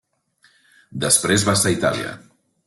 Després va estar a Itàlia.